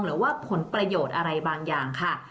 หรือว่าผลประโยชน์อะไรบางอย่างค่ะ